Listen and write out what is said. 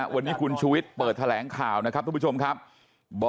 วันนี้คุณชูวิทย์เปิดแถลงข่าวนะครับทุกผู้ชมครับ